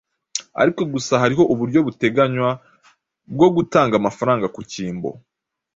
ariko gusa hariho uburyo buteganywa bwo gutanga amafaranga mu kimbo